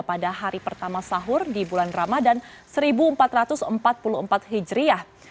pada hari pertama sahur di bulan ramadan seribu empat ratus empat puluh empat hijriah